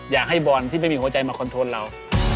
อยากให้บอลที่ไม่มีหัวใจมาคอนโทรลเรา